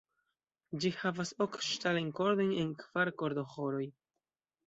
Ĝi havas ok ŝtalajn kordojn en kvar kordoĥoroj.